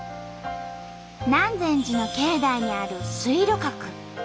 南禅寺の境内にある水路閣。